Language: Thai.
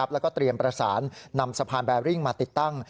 แล้วก็เตรียมประสานนำสะพานแบริ่งมาติดตั้ง